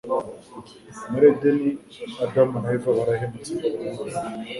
Muri eden Adamu na Eva barahemutse ku mana